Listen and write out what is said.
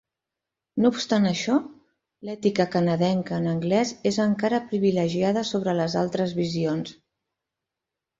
No obstant això, l'ètica canadenca en anglès és encara privilegiada sobre les altres visions.